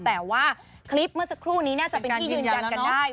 แต่ว่าคลิปเมื่อสักครู่นี้น่าจะเป็นที่ยืนยันกันได้